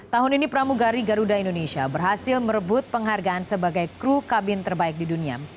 tahun ini pramugari garuda indonesia berhasil merebut penghargaan sebagai kru kabin terbaik di dunia